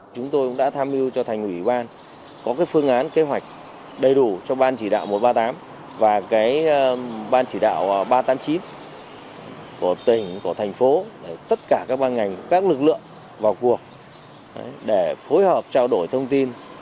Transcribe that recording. chúng tôi đã tham mưu cho thành ủy ban có phương án kế hoạch đầy đủ cho ban chỉ đạo một trăm ba mươi tám và ban chỉ đạo ba trăm tám mươi chín của tỉnh của thành phố tất cả các ban ngành các lực lượng vào cuộc để phối hợp trao đổi thông tin